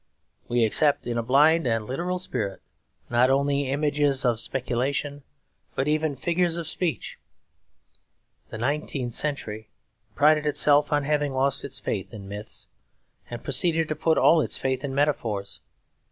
We accept in a blind and literal spirit, not only images of speculation, but even figures of speech. The nineteenth century prided itself on having lost its faith in myths, and proceeded to put all its faith in metaphors.